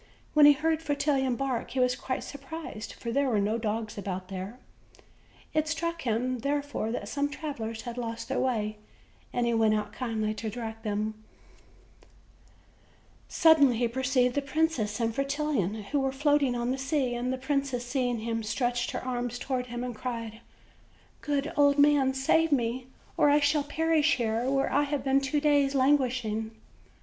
When he heard Fretillon bark he was quite surprised, for there were no dogs about there; it struck him therefore that some travelers had loet their way, and he went out kindly to direct them OLD, OLD FAIRY TALES. 1&5 aright. Suddenly he perceived the princess and Fretil lon, who were floating on the sea; the princess, seeing him, stretched her arms toward him and cried: "Good old man, save me, or I shall perish here, where I have been two days languishing."